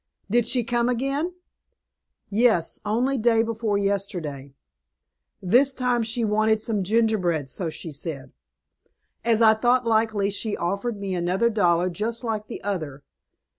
"Did she come again?" "Yes, only day before yesterday. This time she wanted some gingerbread, so she said. As I thought likely, she offered me another dollar just like the other.